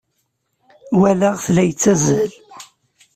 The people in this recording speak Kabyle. Walaɣ-t la yettazzal.